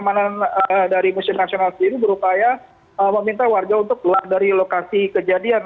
karena petugas keamanan dari museum nasional itu berupaya meminta warga untuk keluar dari lokasi kejadian